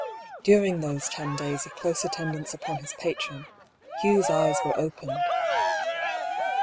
During those ten days of close attendance upon his patron, Hugh's eyes were opened.